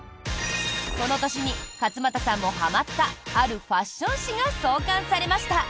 この年に勝俣さんもはまったあるファッション誌が創刊されました！